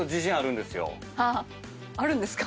あるんですか？